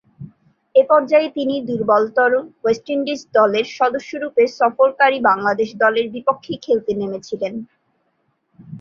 এ পর্যায়ে তিনি দূর্বলতর ওয়েস্ট ইন্ডিজ দলের সদস্যরূপে সফরকারী বাংলাদেশ দলের বিপক্ষে খেলতে নেমেছিলেন।